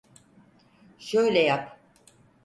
Şöyle yap.